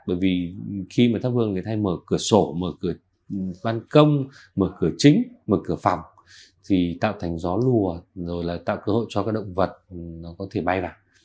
bởi vì khi mà thắp hương thì thay mở cửa sổ mở cửa văn công mở cửa chính mở cửa phòng thì tạo thành gió lùa rồi là tạo cơ hội cho các động vật nó có thể bay vào